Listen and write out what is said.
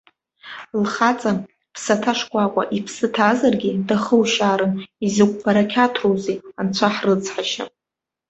Лхаҵа ԥсаҭа шкәакәа, иԥсы ҭазаргьы, дахушьаарын, изакә барақьаҭроузеи, анцәа ҳрыцҳашьа.